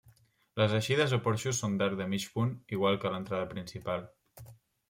Les eixides o porxos són d'arc de mig punt, igual que l'entrada principal.